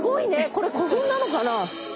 これ古墳なのかな。